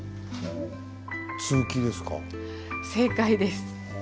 正解です。